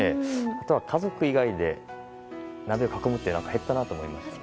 あとは、家族以外で鍋を囲むってのは減ったなと思います。